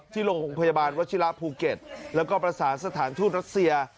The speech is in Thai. ที่โรงพยาบาลวัชิระภูเก็ตแล้วก็ประสานสถานทูตรัสเซีย